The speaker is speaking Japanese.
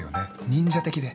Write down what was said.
忍者的で。